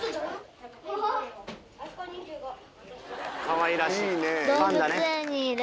かわいらしい。